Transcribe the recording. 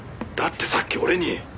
「だってさっき俺に」